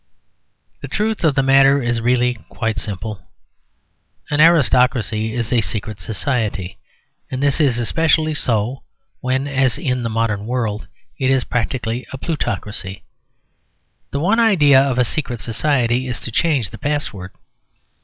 The truth of the matter is really quite simple. An aristocracy is a secret society; and this is especially so when, as in the modern world, it is practically a plutocracy. The one idea of a secret society is to change the password.